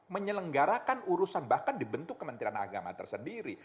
menyelenggarakan urusan bahkan di bentuk kementerian agama tersendiri